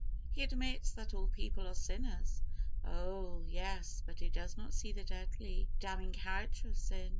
He admits that all people are sinners. Oh! yes; but he does not see the deadly, damning character of sin.